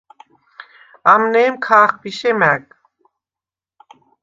ამნე̄მ ქა̄ხბიშე მა̈გ.